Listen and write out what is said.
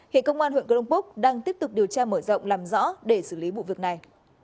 hiện công an huyện cửa đông bức đang tiếp tục điều tra mở rộng làm rõ để xử lý vụ việc này